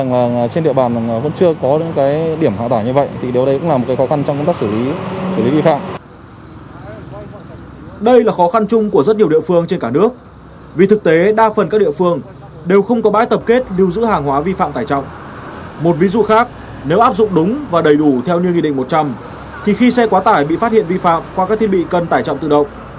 một ví dụ khác nếu áp dụng đúng và đầy đủ theo như nghị định một trăm linh thì khi xe quá tải bị phát hiện vi phạm qua các thiết bị cân tải trọng tự động